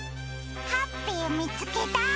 ハッピーみつけた！